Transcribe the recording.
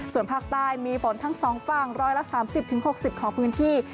ส่วนภาคใต้มีฝนทั้ง๒ฝั่ง๑๓๐๖๐ของพื้นที่